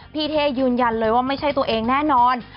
เท่ยืนยันเลยว่าไม่ใช่ตัวเองแน่นอน